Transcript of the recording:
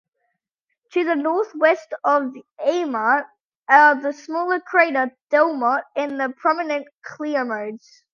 To the northwest of Eimmart are the smaller crater Delmotte and the prominent Cleomedes.